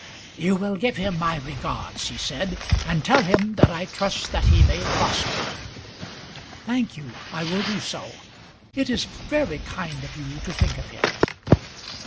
"You will give him my regards," he said, "and tell him that I trust that he may prosper." "Thank you. I will do so. It is very kind of you to think of him."